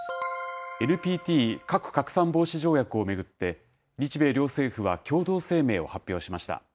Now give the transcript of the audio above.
ＮＰＴ・核拡散防止条約を巡って、日米両政府は共同声明を発表しました。